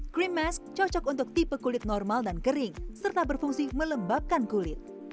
cream mesk cocok untuk tipe kulit normal dan kering serta berfungsi melembabkan kulit